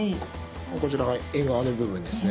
こちらがえんがわの部分ですね。